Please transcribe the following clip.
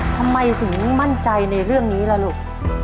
ทำไมถึงมั่นใจในเรื่องนี้ล่ะลูก